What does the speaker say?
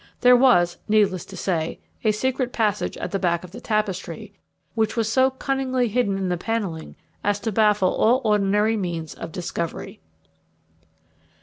There was, needless to say, a secret passage at the back of the tapestry, which was so cunningly hidden in the panelling as to baffle all ordinary means of discovery.